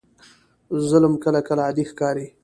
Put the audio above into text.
ظلم کله کله عادي ښکاري.